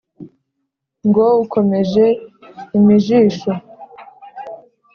ngo ukomeje imijisho